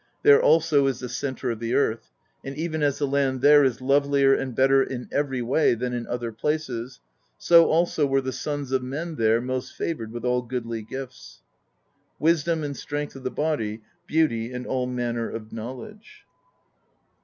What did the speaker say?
There also is the centre of the earth; and even as the land there is lovelier and better in every way than in other places, so also were the sons of men there most favored with all goodly gifts: wisdom, and strength of the body, beauty, and all manner of knowledge.